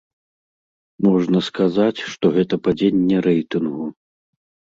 Можна сказаць, што гэта падзенне рэйтынгу.